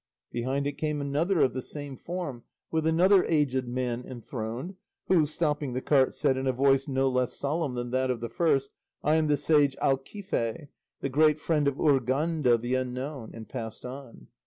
Behind it came another of the same form, with another aged man enthroned, who, stopping the cart, said in a voice no less solemn than that of the first, "I am the sage Alquife, the great friend of Urganda the Unknown," and passed on.